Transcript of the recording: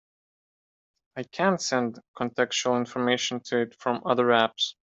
I can send contextual information to it from other apps.